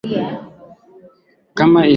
Kama nilivyosema, tunahitaji muda zaidi.